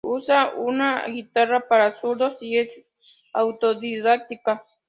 Usa una guitarra para zurdos, y es autodidacta.